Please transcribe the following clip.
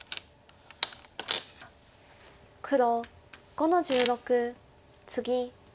黒５の十六ツギ。